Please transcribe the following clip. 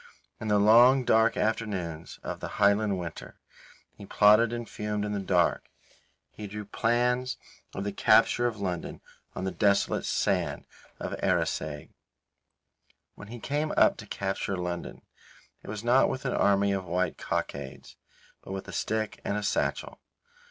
In the long, dark afternoons of the Highland winter, he plotted and fumed in the dark. He drew plans of the capture of London on the desolate sand of Arisaig. When he came up to capture London, it was not with an army of white cockades, but with a stick and a satchel.